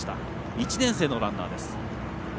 １年生のランナーです。